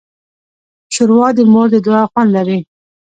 ښوروا د مور د دعا خوند لري.